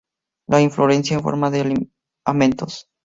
La inflorescencia en forma de amentos.